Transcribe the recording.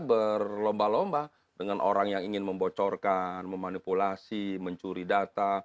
berlomba lomba dengan orang yang ingin membocorkan memanipulasi mencuri data